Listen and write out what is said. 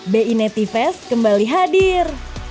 bi nativest kembali hadir